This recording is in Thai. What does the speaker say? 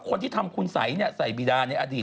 ๑๐ปีที่แล้วน่ะเขาตามหามัน๑๐ปี